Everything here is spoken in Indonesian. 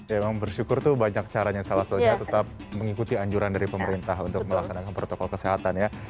ya emang bersyukur tuh banyak caranya salah satunya tetap mengikuti anjuran dari pemerintah untuk melaksanakan protokol kesehatan ya